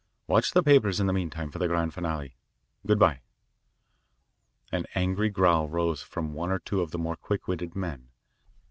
Watch the papers in the meantime for the grand finale. Good bye." An angry growl rose from one or two of the more quick witted men.